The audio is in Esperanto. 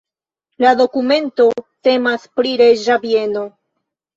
La dokumento temas pri reĝa bieno.